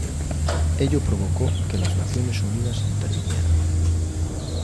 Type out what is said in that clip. Ello provocó que las Naciones Unidas intervinieran.